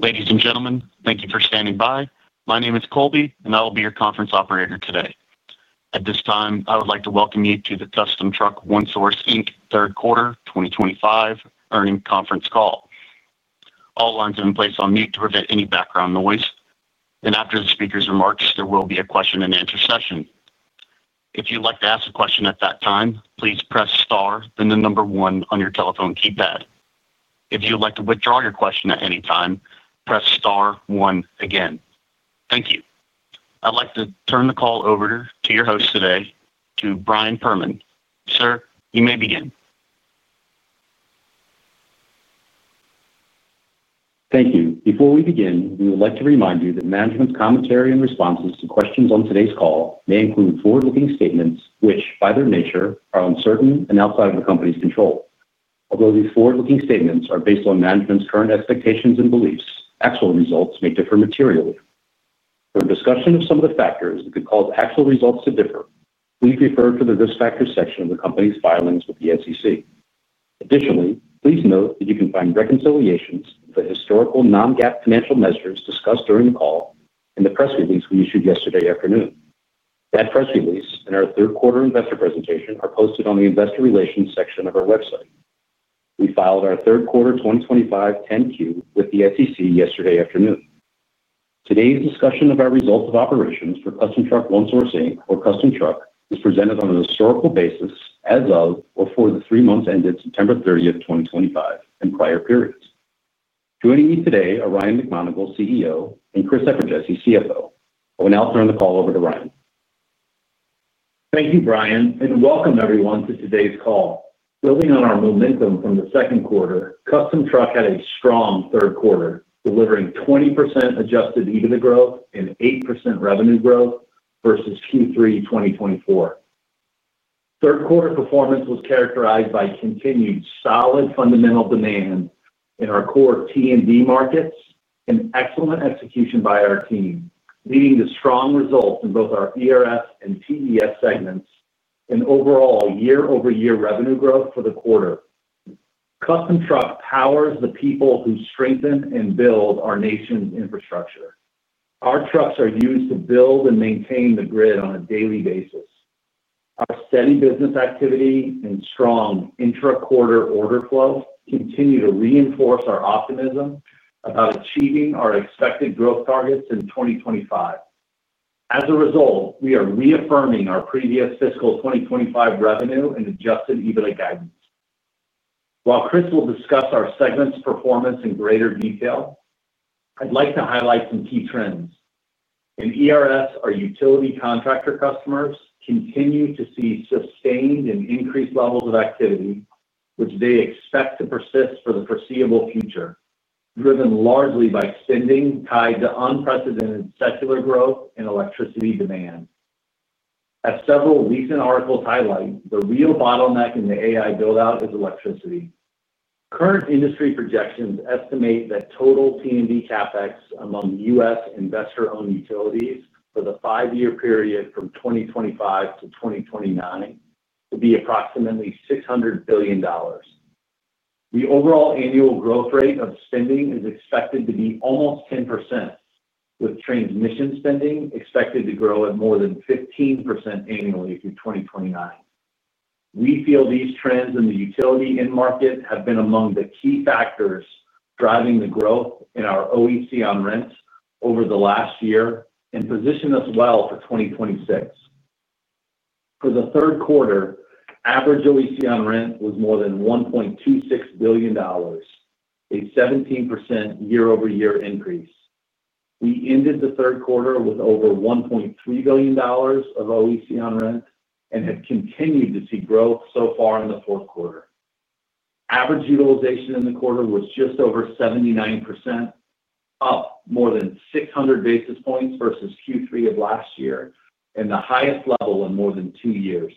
Ladies and gentlemen, thank you for standing by. My name is Colby, and I will be your conference operator today. At this time, I would like to welcome you to the Custom Truck One Source Inc. Third Quarter 2025 Earnings Conference Call. All lines have been placed on mute to prevent any background noise, and after the speakers' remarks, there will be a question and answer session. If you'd like to ask a question at that time, please press star then the number one on your telephone keypad. If you would like to withdraw your question at any time, press star one again. Thank you. I'd like to turn the call over to your host today, to Brian Perman. Sir, you may begin. Thank you. Before we begin, we would like to remind you that management's commentary and responses to questions on today's call may include forward-looking statements, which by their nature are uncertain and outside of the company's control. Although these forward-looking statements are based on management's current expectations and beliefs, actual results may differ materially. For discussion of some of the factors that could cause actual results to differ, please refer to the risk factors section of the company's filings with the SEC. Additionally, please note that you can find reconciliations of the historical non-GAAP financial measures discussed during the call in the press release we issued yesterday afternoon. That press release and our third quarter investor presentation are posted on the investor relations section of our website. We filed our third quarter 2025 10-Q with the SEC yesterday afternoon. Today's discussion of our results of operations for Custom Truck One Source Inc. or Custom Truck is presented on a historical basis as of or for the three months ended September 30th, 2025, and prior periods. Joining me today are Ryan McMonagle, CEO, and Chris Eperjesy, CFO. I will now turn the call over to Ryan. Thank you, Brian, and welcome everyone to today's call. Building on our momentum from the second quarter, Custom Truck One Source had a strong third quarter, delivering 20% adjusted EBITDA growth and 8% revenue growth versus Q3 2024. Third quarter performance was characterized by continued solid fundamental demand in our core T&D markets and excellent execution by our team, leading to strong results in both our ERS and TES segments and overall year-over-year revenue growth for the quarter. Custom Truck One Source powers the people who strengthen and build our nation's infrastructure. Our trucks are used to build and maintain the grid on a daily basis. Our steady business activity and strong intra-quarter order flow continue to reinforce our optimism about achieving our expected growth targets in 2025. As a result, we are reaffirming our previous fiscal 2025 revenue and adjusted EBITDA guidance. While Chris will discuss our segment's performance in greater detail, I'd like to highlight some key trends. In ERS, our utility contractor customers continue to see sustained and increased levels of activity, which they expect to persist for the foreseeable future, driven largely by spending tied to unprecedented secular growth and electricity demand. As several recent articles highlight, the real bottleneck in the AI buildout is electricity. Current industry projections estimate that total T&D CapEx among U.S. investor-owned utilities for the five-year period from 2025-2029 to be approximately $600 billion. The overall annual growth rate of spending is expected to be almost 10%, with transmission spending expected to grow at more than 15% annually through 2029. We feel these trends in the utility in-market have been among the key factors driving the growth in our OEC on rents over the last year and position us well for 2026. For the third quarter, average OEC on rent was more than $1.26 billion, a 17% year-over-year increase. We ended the third quarter with over $1.3 billion of OEC on rent and have continued to see growth so far in the fourth quarter. Average utilization in the quarter was just over 79%, up more than 600 basis points versus Q3 of last year and the highest level in more than two years.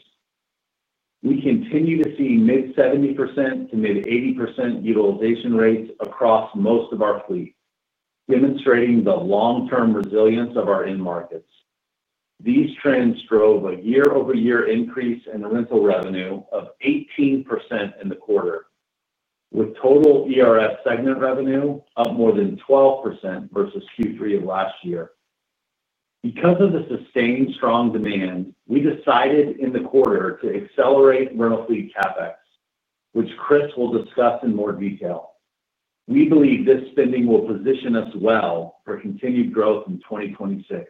We continue to see mid-70%-mid-80% utilization rates across most of our fleet, demonstrating the long-term resilience of our in-markets. These trends drove a year-over-year increase in rental revenue of 18% in the quarter, with total ERS segment revenue up more than 12% versus Q3 of last year. Because of the sustained strong demand, we decided in the quarter to accelerate rental fleet CapEx, which Chris will discuss in more detail. We believe this spending will position us well for continued growth in 2026.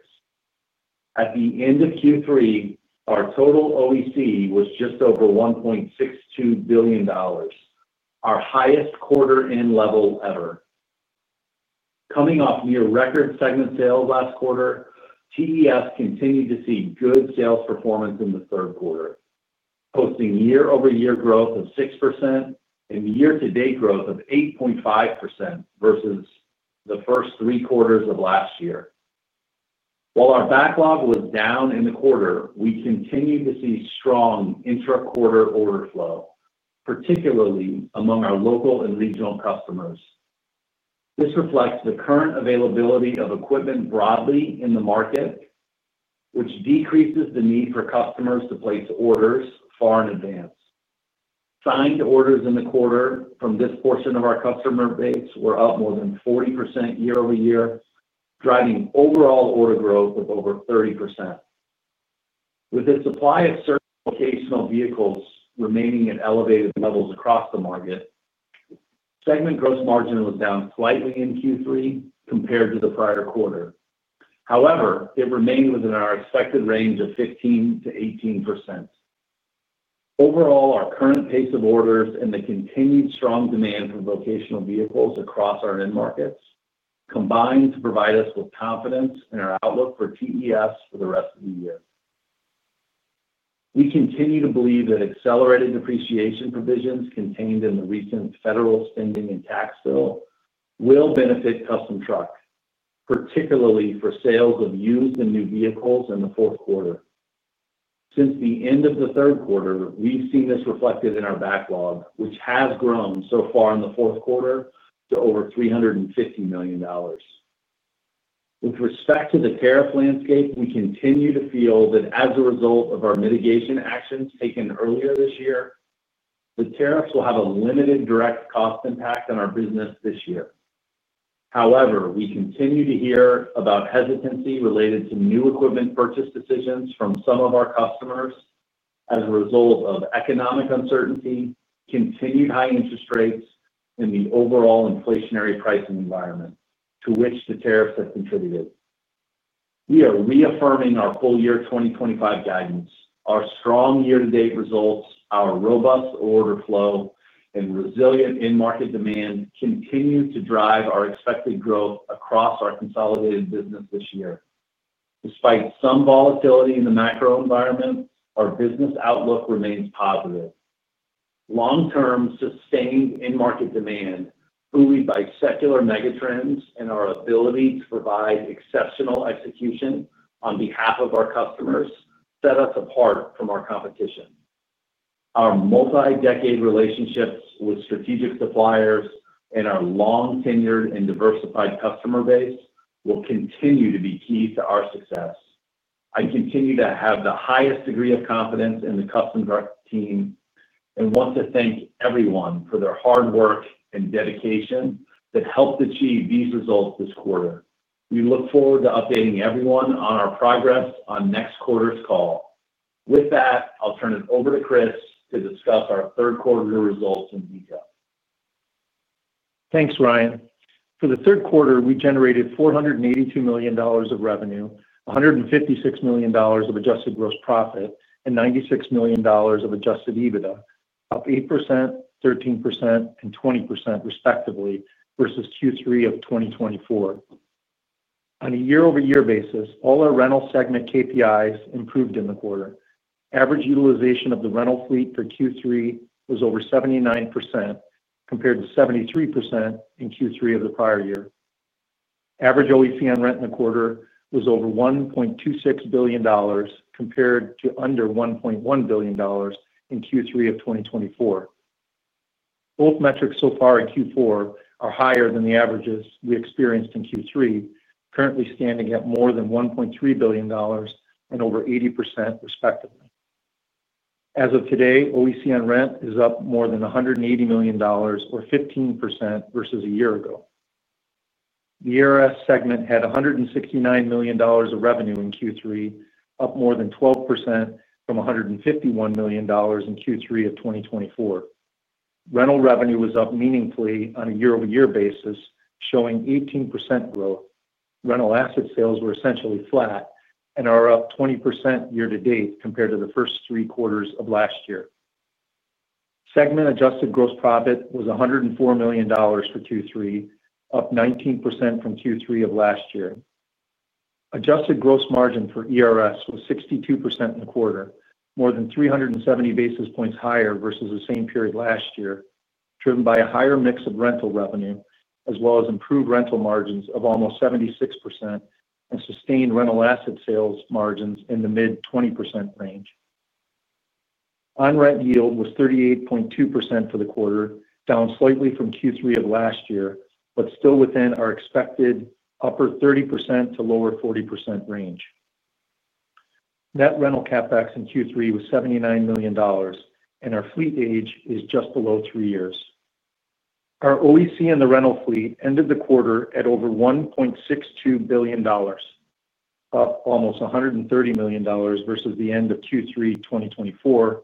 At the end of Q3, our total OEC was just over $1.62 billion, our highest quarter-end level ever. Coming off near-record segment sales last quarter, TES continued to see good sales performance in the third quarter, posting year-over-year growth of 6% and year-to-date growth of 8.5% versus the first three quarters of last year. While our backlog was down in the quarter, we continued to see strong intra-quarter order flow, particularly among our local and regional customers. This reflects the current availability of equipment broadly in the market, which decreases the need for customers to place orders far in advance. Signed orders in the quarter from this portion of our customer base were up more than 40% year-over-year, driving overall order growth of over 30%. With the supply of certification vehicles remaining at elevated levels across the market, segment gross margin was down slightly in Q3 compared to the prior quarter. However, it remained within our expected range of 15% to 18%. Overall, our current pace of orders and the continued strong demand for vocational vehicles across our in-markets combine to provide us with confidence in our outlook for TES for the rest of the year. We continue to believe that accelerated depreciation provisions contained in the recent federal spending and tax bill will benefit Custom Truck One Source, particularly for sales of used and new vehicles in the fourth quarter. Since the end of the third quarter, we've seen this reflected in our backlog, which has grown so far in the fourth quarter to over $350 million. With respect to the tariff landscape, we continue to feel that as a result of our mitigation actions taken earlier this year, the tariffs will have a limited direct cost impact on our business this year. However, we continue to hear about hesitancy related to new equipment purchase decisions from some of our customers as a result of economic uncertainty, continued high interest rates, and the overall inflationary pricing environment to which the tariffs have contributed. We are reaffirming our full year 2025 guidance. Our strong year-to-date results, our robust order flow, and resilient in-market demand continue to drive our expected growth across our consolidated business this year. Despite some volatility in the macro environment, our business outlook remains positive. Long-term sustained in-market demand, buoyed by secular megatrends, and our ability to provide exceptional execution on behalf of our customers set us apart from our competition. Our multi-decade relationships with strategic suppliers and our long-tenured and diversified customer base will continue to be key to our success. I continue to have the highest degree of confidence in the Custom Truck team and want to thank everyone for their hard work and dedication that helped achieve these results this quarter. We look forward to updating everyone on our progress on next quarter's call. With that, I'll turn it over to Chris to discuss our third quarter results in detail. Thanks, Ryan. For the third quarter, we generated $482 million of revenue, $156 million of adjusted gross profit, and $96 million of adjusted EBITDA, up 8%, 13%, and 20% respectively versus Q3 of 2024. On a year-over-year basis, all our rental segment KPIs improved in the quarter. Average utilization of the rental fleet for Q3 was over 79% compared to 73% in Q3 of the prior year. Average OEC on rent in the quarter was over $1.26 billion compared to under $1.1 billion in Q3 of 2024. Both metrics so far in Q4 are higher than the averages we experienced in Q3, currently standing at more than $1.3 billion and over 80% respectively. As of today, OEC on rent is up more than $180 million, or 15% versus a year ago. The ERS segment had $169 million of revenue in Q3, up more than 12% from $151 million in Q3 of 2024. Rental revenue was up meaningfully on a year-over-year basis, showing 18% growth. Rental asset sales were essentially flat and are up 20% year to date compared to the first three quarters of last year. Segment adjusted gross profit was $104 million for Q3, up 19% from Q3 of last year. Adjusted gross margin for ERS was 62% in the quarter, more than 370 basis points higher versus the same period last year, driven by a higher mix of rental revenue as well as improved rental margins of almost 76% and sustained rental asset sales margins in the mid-20% range. On-rent yield was 38.2% for the quarter, down slightly from Q3 of last year, but still within our expected upper 30%-lower 40% range. Net rental CapEx in Q3 was $79 million, and our fleet age is just below three years. Our OEC in the rental fleet ended the quarter at over $1.62 billion, up almost $130 million versus the end of Q3 2024,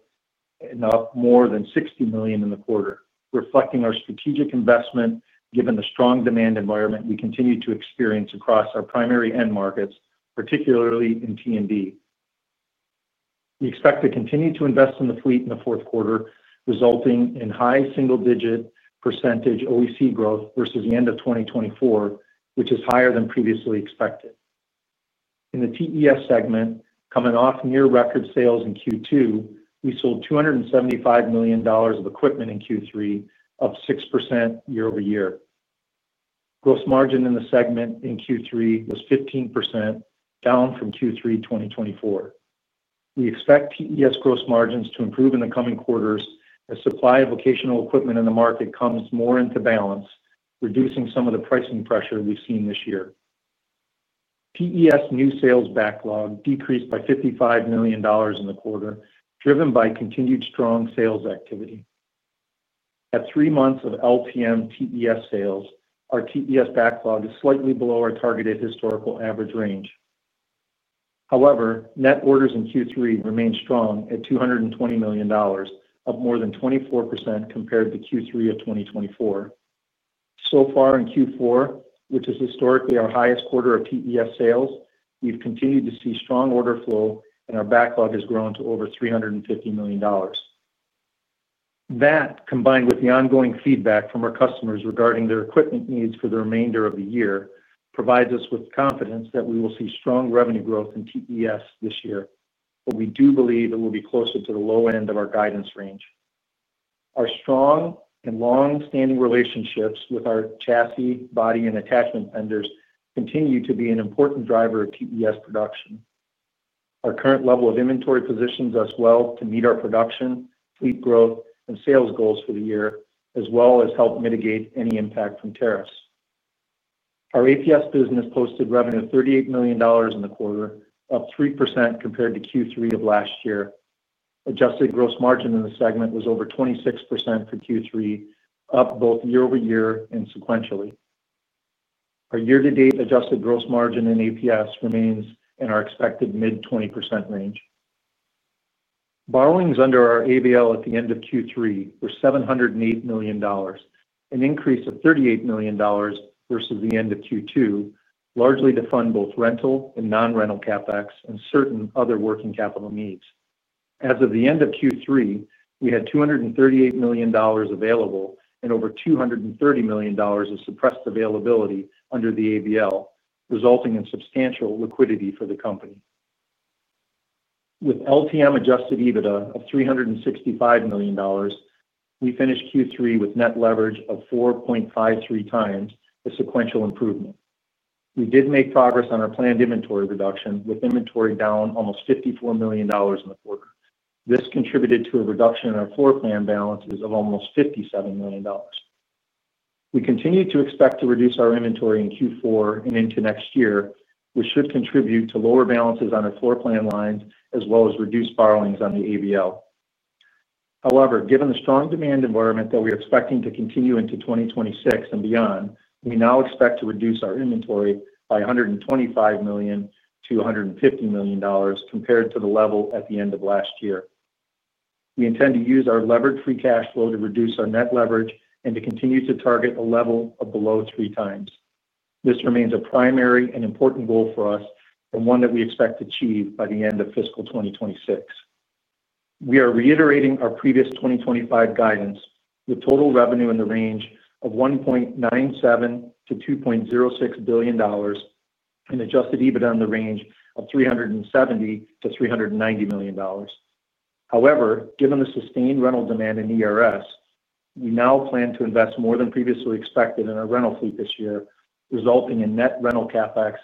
and up more than $60 million in the quarter, reflecting our strategic investment given the strong demand environment we continue to experience across our primary end markets, particularly in T&D. We expect to continue to invest in the fleet in the fourth quarter, resulting in high single-digit percentage OEC growth versus the end of 2024, which is higher than previously expected. In the TES segment, coming off near-record sales in Q2, we sold $275 million of equipment in Q3, up 6% year over year. Gross margin in the segment in Q3 was 15%, down from Q3 2024. We expect TES gross margins to improve in the coming quarters as supply of vocational equipment in the market comes more into balance, reducing some of the pricing pressure we've seen this year. TES new sales backlog decreased by $55 million in the quarter, driven by continued strong sales activity. At three months of LPM TES sales, our TES backlog is slightly below our targeted historical average range. However, net orders in Q3 remain strong at $220 million, up more than 24% compared to Q3 of 2024. In Q4, which is historically our highest quarter of TES sales, we've continued to see strong order flow, and our backlog has grown to over $350 million. That, combined with the ongoing feedback from our customers regarding their equipment needs for the remainder of the year, provides us with confidence that we will see strong revenue growth in TES this year, but we do believe it will be closer to the low end of our guidance range. Our strong and long-standing relationships with our chassis, body, and attachment vendors continue to be an important driver of TES production. Our current level of inventory positions us well to meet our production, fleet growth, and sales goals for the year, as well as help mitigate any impact from tariffs. Our APS business posted revenue of $38 million in the quarter, up 3% compared to Q3 of last year. Adjusted gross margin in the segment was over 26% for Q3, up both year over year and sequentially. Our year-to-date adjusted gross margin in APS remains in our expected mid-20% range. Borrowings under our AVL at the end of Q3 were $708 million, an increase of $38 million versus the end of Q2, largely to fund both rental and non-rental CapEx and certain other working capital needs. As of the end of Q3, we had $238 million available and over $230 million of suppressed availability under the AVL, resulting in substantial liquidity for the company. With LTM adjusted EBITDA of $365 million, we finished Q3 with net leverage of 4.53 times, a sequential improvement. We did make progress on our planned inventory reduction, with inventory down almost $54 million in the quarter. This contributed to a reduction in our floor plan balances of almost $57 million. We continue to expect to reduce our inventory in Q4 and into next year, which should contribute to lower balances on our floor plan lines as well as reduced borrowings on the AVL. However, given the strong demand environment that we're expecting to continue into 2026 and beyond, we now expect to reduce our inventory by $125 million-$150 million compared to the level at the end of last year. We intend to use our levered free cash flow to reduce our net leverage and to continue to target a level of below three times. This remains a primary and important goal for us and one that we expect to achieve by the end of fiscal 2026. We are reiterating our previous 2025 guidance with total revenue in the range of $1.97 billion-$2.06 billion and adjusted EBITDA in the range of $370 million-$390 million. However, given the sustained rental demand in ERS, we now plan to invest more than previously expected in our rental fleet this year, resulting in net rental CapEx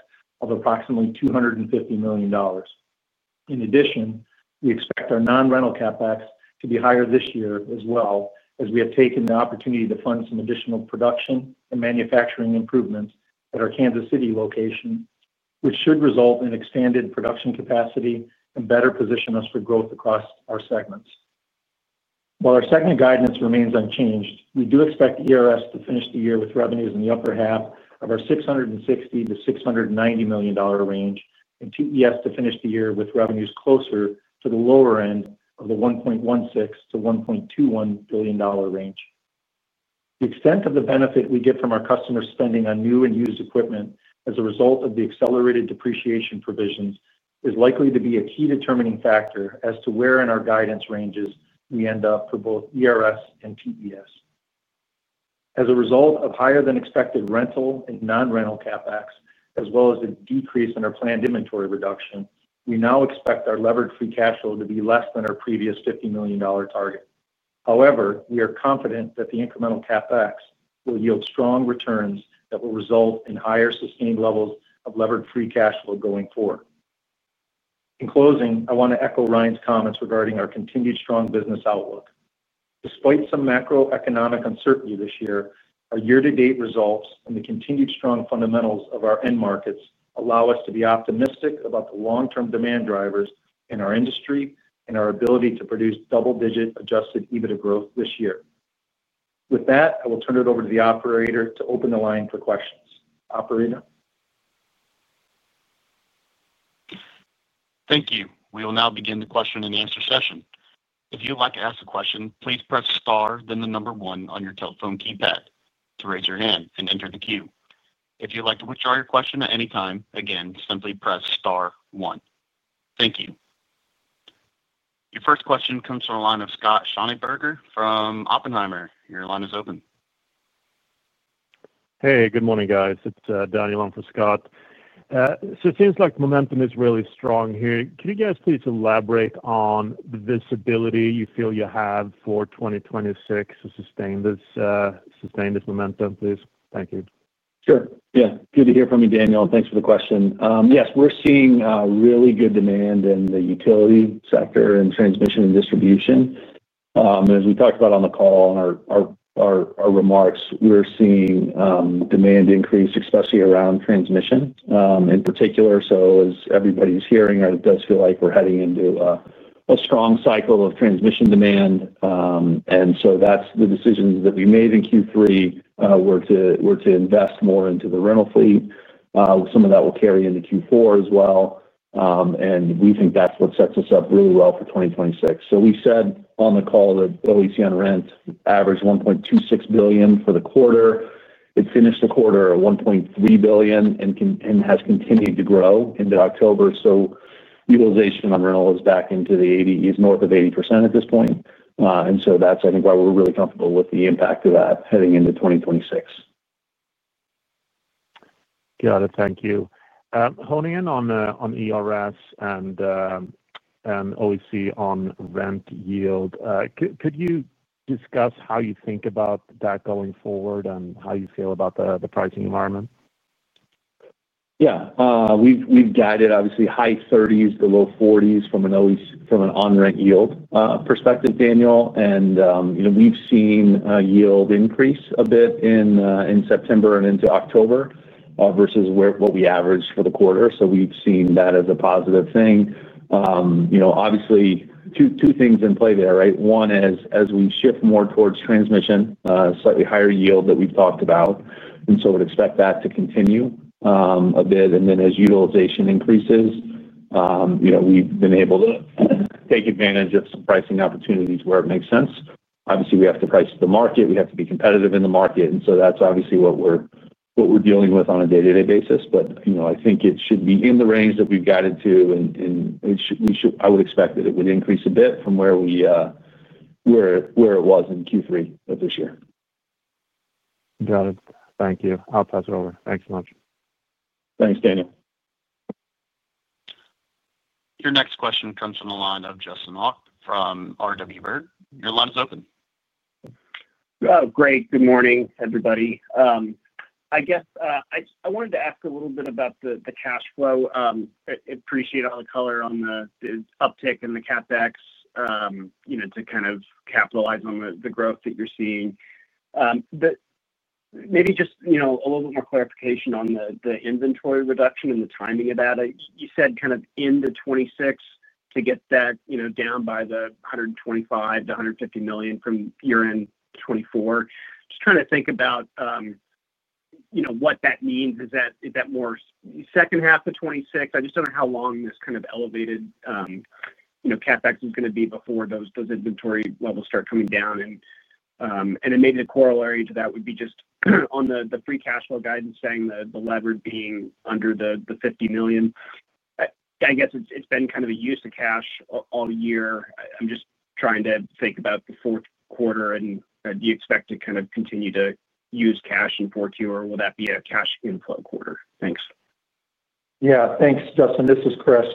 of approximately $250 million. In addition, we expect our non-rental CapEx to be higher this year as well, as we have taken the opportunity to fund some additional production and manufacturing improvements at our Kansas City location, which should result in expanded production capacity and better position us for growth across our segments. While our segment guidance remains unchanged, we do expect ERS to finish the year with revenues in the upper half of our $660 million-$690 million range and TES to finish the year with revenues closer to the lower end of the $1.16 billion-$1.21 billion range. The extent of the benefit we get from our customers spending on new and used equipment as a result of the accelerated depreciation provisions is likely to be a key determining factor as to where in our guidance ranges we end up for both ERS and TES. As a result of higher than expected rental and non-rental CapEx, as well as a decrease in our planned inventory reduction, we now expect our levered free cash flow to be less than our previous $50 million target. However, we are confident that the incremental CapEx will yield strong returns that will result in higher sustained levels of levered free cash flow going forward. In closing, I want to echo Ryan's comments regarding our continued strong business outlook. Despite some macroeconomic uncertainty this year, our year-to-date results and the continued strong fundamentals of our end markets allow us to be optimistic about the long-term demand drivers in our industry and our ability to produce double-digit adjusted EBITDA growth this year. With that, I will turn it over to the operator to open the line for questions. Operator? Thank you. We will now begin the question and answer session. If you'd like to ask a question, please press star, then the number one on your telephone keypad to raise your hand and enter the queue. If you'd like to withdraw your question at any time, again, simply press star one. Thank you. Your first question comes from a line of Scott Schoneberger from Oppenheimer. Your line is open. Hey, good morning, guys. It's Daniel from Scott. It seems like the momentum is really strong here. Can you guys please elaborate on the visibility you feel you have for 2026 to sustain this momentum, please? Thank you. Sure. Yeah, good to hear from you, Daniel. Thanks for the question. Yes, we're seeing really good demand in the utility sector and transmission and distribution. As we talked about on the call and our remarks, we're seeing demand increase, especially around transmission in particular. As everybody's hearing, it does feel like we're heading into a strong cycle of transmission demand. The decisions that we made in Q3 were to invest more into the rental fleet. Some of that will carry into Q4 as well. We think that's what sets us up really well for 2026. We said on the call that OEC on rent averaged $1.26 billion for the quarter. It finished the quarter at $1.3 billion and has continued to grow into October. Utilization on rental is back into the 80s, is north of 80% at this point. That's, I think, why we're really comfortable with the impact of that heading into 2026. Got it. Thank you. Honing in on the ERS and OEC on rent yield, could you discuss how you think about that going forward and how you feel about the pricing environment? Yeah. We've guided, obviously, high 30s-low 40s from an on-rent yield perspective, Daniel. We've seen a yield increase a bit in September and into October versus what we averaged for the quarter. We've seen that as a positive thing. Two things in play there, right? One is as we shift more towards transmission, slightly higher yield that we've talked about. I would expect that to continue a bit. As utilization increases, we've been able to take advantage of some pricing opportunities where it makes sense. We have to price the market. We have to be competitive in the market. That's what we're dealing with on a day-to-day basis. I think it should be in the range that we've guided to. I would expect that it would increase a bit from where it was in Q3 of this year. Got it. Thank you. I'll pass it over. Thanks so much. Thanks, Daniel. Your next question comes from the line of Justin Hauke from Robert W. Baird. Your line is open. Oh, great. Good morning, everybody. I guess I wanted to ask a little bit about the cash flow. I appreciate all the color on the uptick in the CapEx to kind of capitalize on the growth that you're seeing. Maybe just a little bit more clarification on the inventory reduction and the timing of that. You said kind of end of 2026 to get that down by the $125-$150 million from year-end 2024. Just trying to think about what that means. Is that more second half of 2026? I just don't know how long this kind of elevated CapEx is going to be before those inventory levels start coming down. Maybe the corollary to that would be just on the free cash flow guidance saying the leverage being under the $50 million. I guess it's been kind of a use of cash all year. I'm just trying to think about the fourth quarter and do you expect to kind of continue to use cash in 2024 or will that be a cash inflow quarter? Thanks. Yeah, thanks, Justin. This is Chris.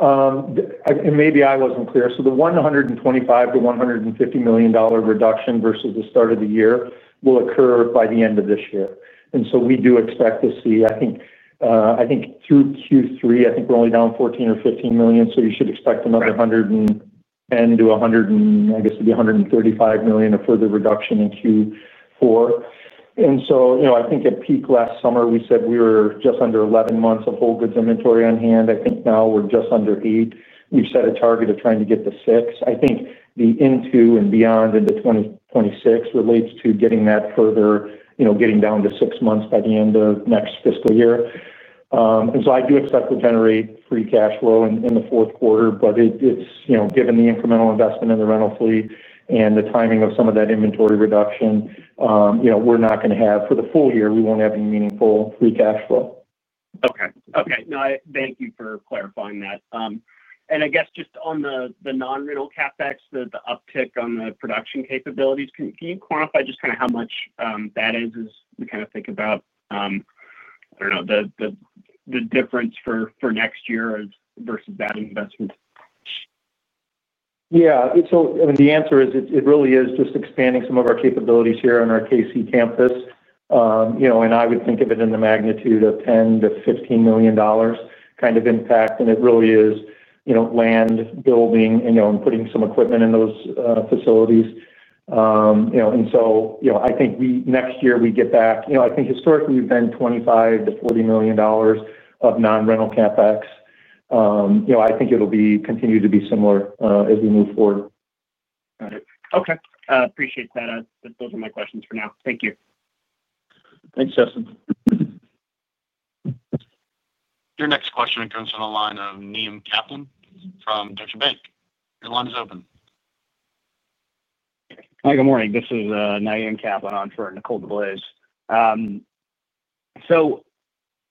Maybe I wasn't clear. The $125 million-$150 million reduction versus the start of the year will occur by the end of this year. We do expect to see, I think through Q3, we're only down $14 million or $15 million. You should expect another $110 million to, I guess it'd be $135 million of further reduction in Q4. At peak last summer, we said we were just under 11 months of whole goods inventory on hand. Now we're just under 8. We've set a target of trying to get to 6. The into and beyond into 2026 relates to getting that further, getting down to six months by the end of next fiscal year. I do expect we'll generate free cash flow in the fourth quarter, but given the incremental investment in the rental fleet and the timing of some of that inventory reduction, we're not going to have, for the full year, any meaningful free cash flow. Thank you for clarifying that. I guess just on the non-rental CapEx, the uptick on the production capabilities, can you quantify just kind of how much that is as we kind of think about, I don't know, the difference for next year versus that investment? Yeah. The answer is it really is just expanding some of our capabilities here on our Kansas City campus. I would think of it in the magnitude of $10 million-$15 million kind of impact. It really is land, building, and putting some equipment in those facilities. I think next year we get back, I think historically we've been $25 million-$40 million of non-rental CapEx. I think it'll continue to be similar as we move forward. Got it. Okay. Appreciate that. Those are my questions for now. Thank you. Thanks, Justin. Your next question comes from a line of Niamh Kaplan from Deutsche Bank. Your line is open. Hi, good morning. This is Niam Kaplan on for Nicole DeBlase.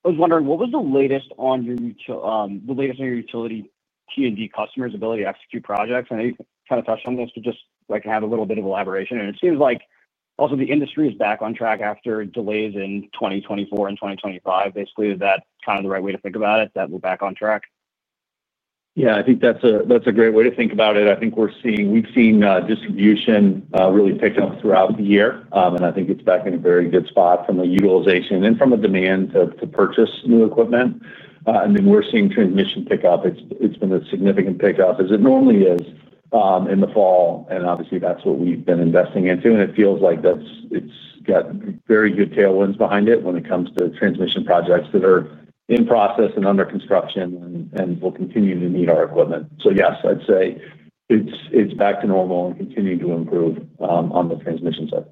I was wondering, what was the latest on your utility T&D customers' ability to execute projects? I know you kind of touched on this, but just like to have a little bit of elaboration. It seems like also the industry is back on track after delays in 2024 and 2025. Basically, is that kind of the right way to think about it, that we're back on track? Yeah, I think that's a great way to think about it. I think we're seeing distribution really pick up throughout the year, and I think it's back in a very good spot from the utilization and from the demand to purchase new equipment. We're seeing transmission pick up. It's been a significant pickup as it normally is in the fall. Obviously, that's what we've been investing into, and it feels like it's got very good tailwinds behind it when it comes to transmission projects that are in process and under construction and will continue to need our equipment. Yes, I'd say it's back to normal and continuing to improve on the transmission side.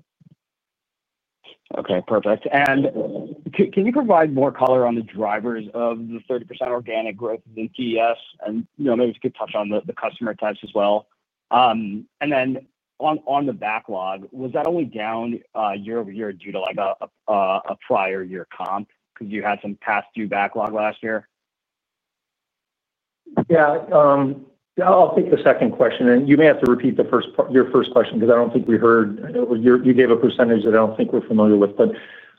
Okay. Perfect. Can you provide more color on the drivers of the 30% organic growth within TES? Maybe we could touch on the customer types as well. On the backlog, was that only down year over year due to a prior year comp because you had some past due backlog last year? Yeah. I'll take the second question. You may have to repeat the first part of your first question because I don't think we heard you gave a percentage that I don't think we're familiar with.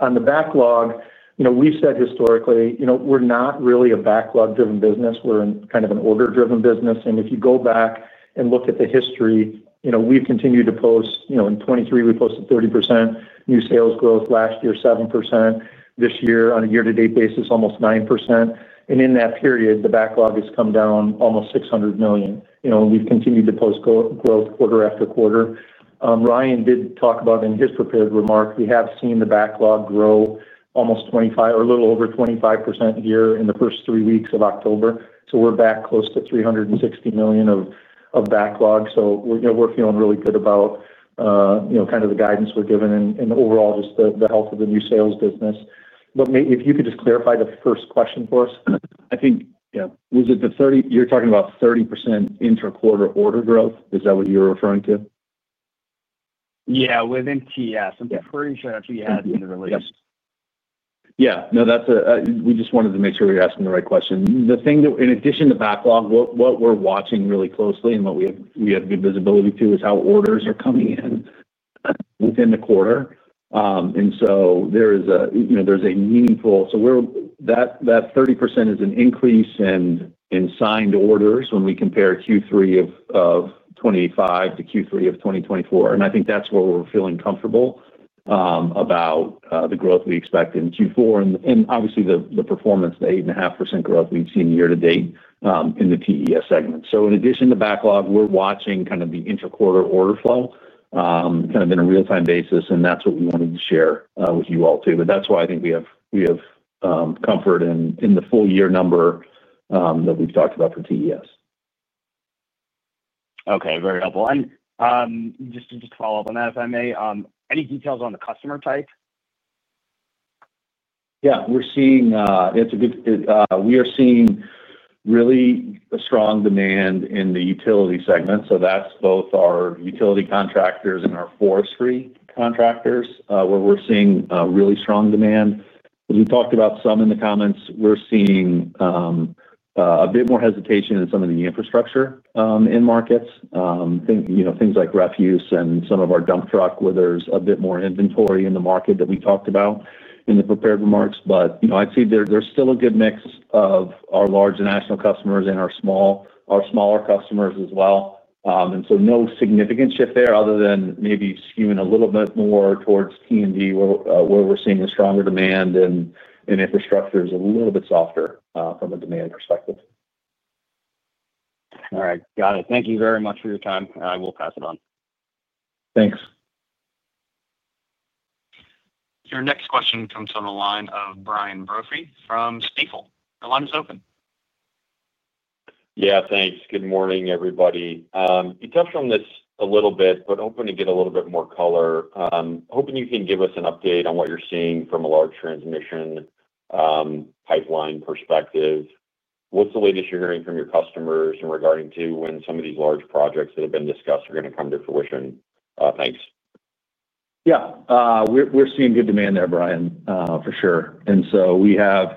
On the backlog, we've said historically we're not really a backlog-driven business. We're kind of an order-driven business. If you go back and look at the history, we've continued to post, in 2023, we posted 30% new sales growth. Last year, 7%. This year, on a year-to-date basis, almost 9%. In that period, the backlog has come down almost $600 million. We've continued to post growth quarter after quarter. Ryan did talk about in his prepared remark, we have seen the backlog grow almost 25% or a little over 25% a year in the first three weeks of October. We're back close to $360 million of backlog. We're feeling really good about the guidance we're given and overall just the health of the new sales business. Maybe if you could just clarify the first question for us. I think, yeah, was it the 30, you're talking about 30% inter-quarter order growth? Is that what you were referring to? Yeah, within TES, I'm pretty sure that's what you had in the relationship. Yeah. No, we just wanted to make sure we were asking the right question. The thing that, in addition to backlog, what we're watching really closely and what we have good visibility to is how orders are coming in within the quarter. There is a meaningful, that 30% is an increase in signed orders when we compare Q3 of 2025 to Q3 of 2024. I think that's where we're feeling comfortable about the growth we expect in Q4 and obviously the performance, the 8.5% growth we've seen year to date in the TES segment. In addition to backlog, we're watching the inter-quarter order flow in a real-time basis. That's what we wanted to share with you all too. That's why I think we have comfort in the full year number that we've talked about for TES. Okay. Very helpful. Just to follow up on that, if I may, any details on the customer type? Yeah, we're seeing really strong demand in the utility segment. That's both our utility contractors and our forestry contractors where we're seeing really strong demand. As we talked about in the comments, we're seeing a bit more hesitation in some of the infrastructure markets. I think things like refuse and some of our dump truck, where there's a bit more inventory in the market that we talked about in the prepared remarks. There's still a good mix of our large national customers and our smaller customers as well. No significant shift there other than maybe skewing a little bit more towards T&D where we're seeing a stronger demand and infrastructure is a little bit softer from a demand perspective. All right. Got it. Thank you very much for your time. I will pass it on. Thanks. Your next question comes from a line of Brian Brophy from Stifel. Your line is open. Yeah, thanks. Good morning, everybody. You touched on this a little bit, but hoping to get a little bit more color. Hoping you can give us an update on what you're seeing from a large transmission pipeline perspective. What's the latest you're hearing from your customers regarding when some of these large projects that have been discussed are going to come to fruition? Thanks. Yeah. We're seeing good demand there, Brian, for sure. We have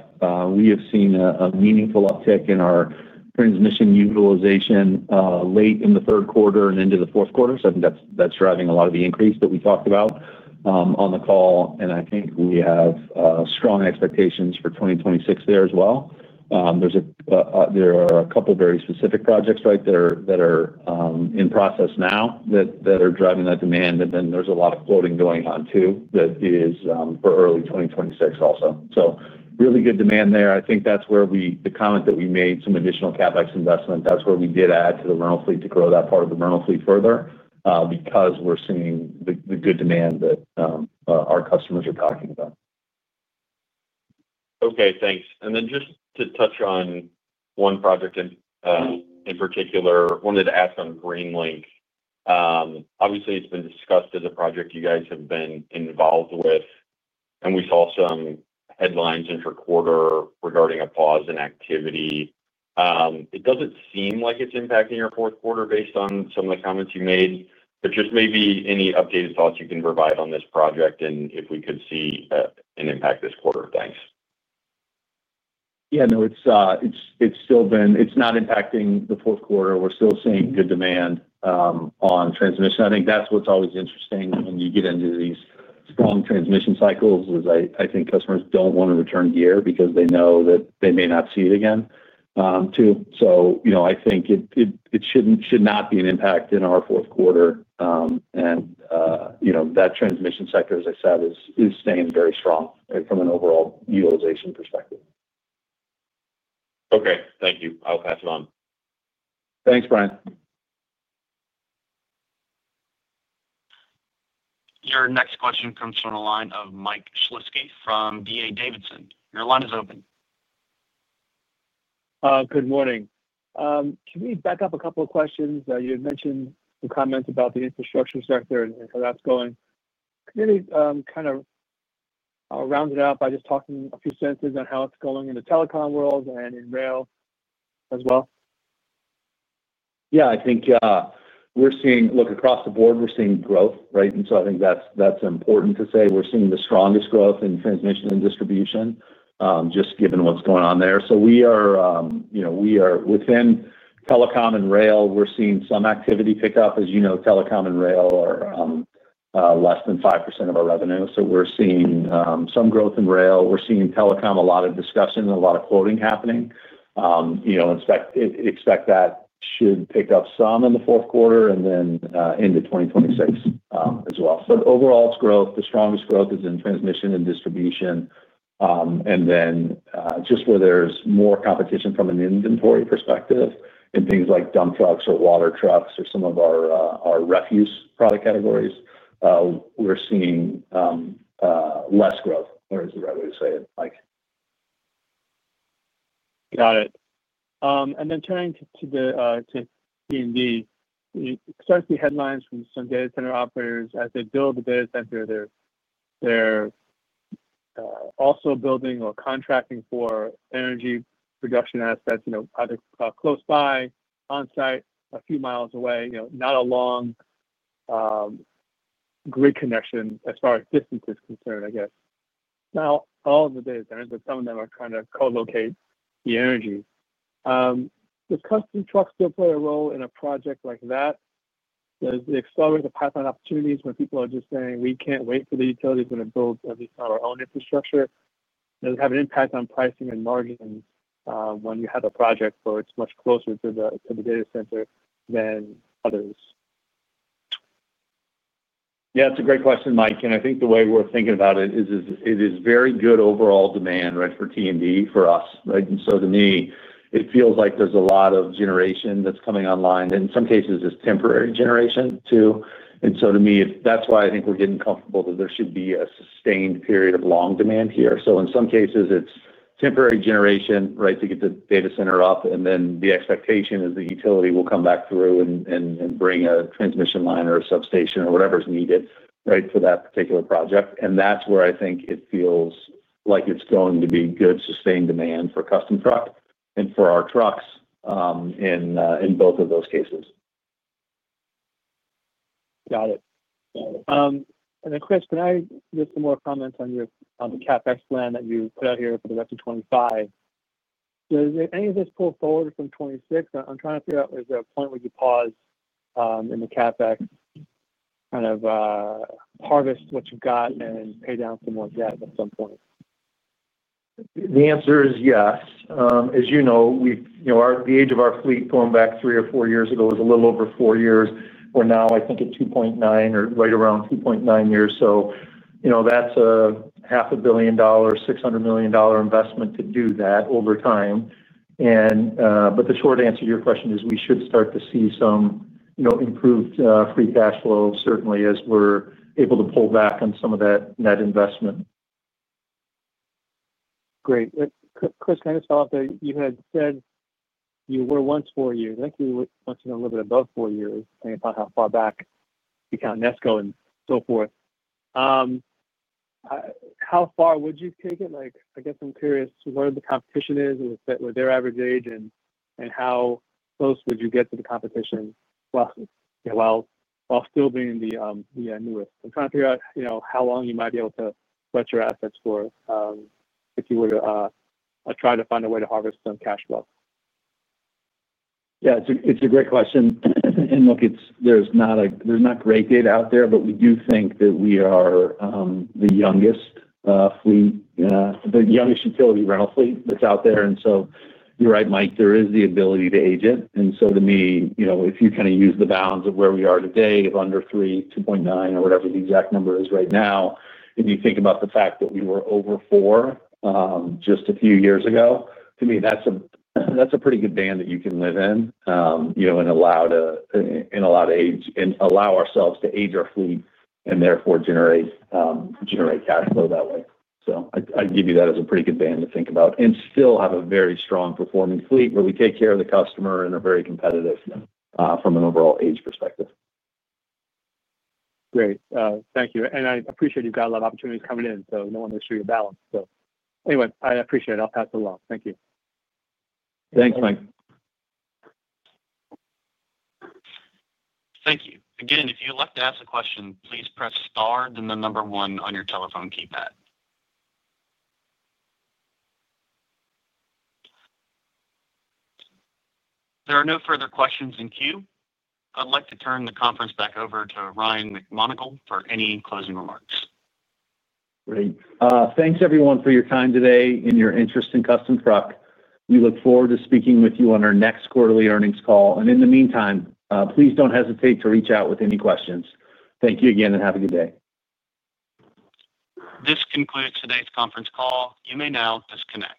seen a meaningful uptick in our transmission utilization late in the third quarter and into the fourth quarter. I think that's driving a lot of the increase that we talked about on the call. I think we have strong expectations for 2026 there as well. There are a couple of very specific projects right there that are in process now that are driving that demand. There's a lot of floating going on too that is for early 2026 also. Really good demand there. I think that's where we made some additional CapEx investment. That's where we did add to the rental fleet to grow that part of the rental fleet further because we're seeing the good demand that our customers are talking about. Okay, thanks. Just to touch on one project in particular, I wanted to ask on GreenLink. Obviously, it's been discussed as a project you guys have been involved with. We saw some headlines in your quarter regarding a pause in activity. It doesn't seem like it's impacting your fourth quarter based on some of the comments you made, but just maybe any updated thoughts you can provide on this project and if we could see an impact this quarter. Thanks. Yeah, no, it's still been, it's not impacting the fourth quarter. We're still seeing good demand on transmission. I think that's what's always interesting when you get into these strong transmission cycles, is I think customers don't want to return gear because they know that they may not see it again too. I think it should not be an impact in our fourth quarter. That transmission sector, as I said, is staying very strong from an overall utilization perspective. Okay, thank you. I'll pass it on. Thanks, Brian. Your next question comes from a line of Mike Schlitzky from D.A. Davidson. Your line is open. Good morning. Can we back up a couple of questions? You had mentioned some comments about the infrastructure sector and how that's going. Can you maybe kind of round it out by just talking a few sentences on how it's going in the telecom world and in rail as well? Yeah, I think we're seeing, look, across the board, we're seeing growth, right? I think that's important to say. We're seeing the strongest growth in transmission and distribution just given what's going on there. We are within telecom and rail. We're seeing some activity pick up. As you know, telecom and rail are less than 5% of our revenue. We're seeing some growth in rail. We're seeing telecom, a lot of discussion, a lot of quoting happening. Expect that should pick up some in the fourth quarter and then into 2026 as well. Overall, it's growth. The strongest growth is in transmission and distribution. Where there's more competition from an inventory perspective in things like dump trucks or water trucks or some of our refuse product categories, we're seeing less growth, or is the right way to say it, Mike. Got it. Turning to the T&D, we started to see headlines from some data center operators as they build the data center. They're also building or contracting for energy production assets, either close by, on-site, or a few miles away, not a long grid connection as far as distance is concerned, I guess. Not all of the data centers, but some of them are trying to co-locate the energy. Does Custom Truck One Source still play a role in a project like that? Does it accelerate the pipeline opportunities when people are just saying, "We can't wait for the utilities when it builds at least on our own infrastructure"? Does it have an impact on pricing and margins when you have a project where it's much closer to the data center than others? Yeah, that's a great question, Mike. I think the way we're thinking about it is it is very good overall demand, right, for T&D for us, right? To me, it feels like there's a lot of generation that's coming online. In some cases, it's temporary generation too. To me, that's why I think we're getting comfortable that there should be a sustained period of long demand here. In some cases, it's temporary generation, right, to get the data center up. The expectation is the utility will come back through and bring a transmission line or a substation or whatever is needed, right, for that particular project. That's where I think it feels like it's going to be good sustained demand for Custom Truck One Source and for our trucks in both of those cases. Got it. Got it. Chris, can I get some more comments on your CapEx plan that you put out here for the rest of 2025? Does any of this pull forward from 2026? I'm trying to figure out, is there a point where you pause in the CapEx, kind of harvest what you've got and then pay down some more debt at some point? The answer is yes. As you know, the age of our fleet going back three or four years ago was a little over four years. We're now, I think, at 2.9 or right around 2.9 years. That's a half a billion dollar, $600 million investment to do that over time. The short answer to your question is we should start to see some improved free cash flow, certainly, as we're able to pull back on some of that net investment.. Great. Chris, can I just follow up? You had said you were once four years. I think you were once a little bit above four years, thinking about how far back you count NESCO and so forth. How far would you take it? I guess I'm curious what the competition is with their average age and how close would you get to the competition while still being the newest? I'm trying to figure out how long you might be able to rent your assets for, if you were to try to find a way to harvest some cash flow. Yeah, it's a great question. Look, there's not great data out there, but we do think that we are the youngest fleet, the youngest utility rental fleet that's out there. You're right, Mike, there is the ability to age it. To me, if you kind of use the bounds of where we are today, if under three, $2.9 million or whatever the exact number is right now, if you think about the fact that we were over four just a few years ago, to me, that's a pretty good band that you can live in, you know, and allow to age, and allow ourselves to age our fleet and therefore generate cash flow that way. I'd give you that as a pretty good band to think about and still have a very strong performing fleet where we take care of the customer and are very competitive from an overall age perspective. Great. Thank you. I appreciate you've got a lot of opportunities coming in, so no one wants to make sure you're balanced. I appreciate it. I'll pass it along. Thank you. Thanks, Mike. Thank you. Again, if you'd like to ask a question, please press star and then the number one on your telephone keypad. There are no further questions in queue. I'd like to turn the conference back over to Ryan McMonagle for any closing remarks. Great. Thanks, everyone, for your time today and your interest in Custom Truck One Source. We look forward to speaking with you on our next quarterly earnings call. In the meantime, please don't hesitate to reach out with any questions. Thank you again and have a good day. This concludes today's conference call. You may now disconnect.